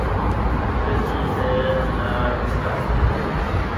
ښځې ته يې لار ورکړه.